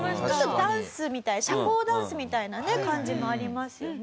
ダンス社交ダンスみたいなね感じもありますよね。